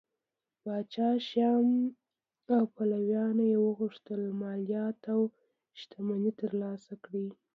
پاچا شیام او پلویانو یې غوښتل مالیات او شتمنۍ ترلاسه کړي